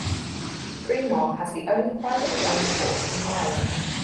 Greenore has the only privately owned port in Ireland.